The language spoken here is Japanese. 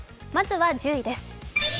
まずは１０位です。